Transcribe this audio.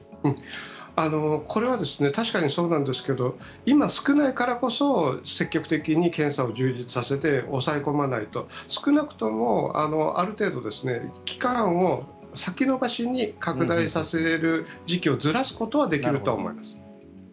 これは確かにそうなんですけど今、少ないからこそ積極的に検査を充実させて抑え込まないと少なくともある程度期間を先延ばしに拡大させる時期をずらすことはできるとは思います。